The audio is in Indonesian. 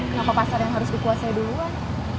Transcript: kenapa pasar yang harus dikuasai duluan